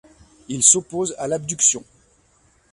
Il s'oppose à l'abduction.